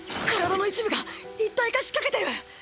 体の一部が一体化しかけてる！